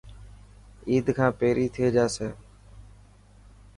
عيد کان پهري ٿي جاسي.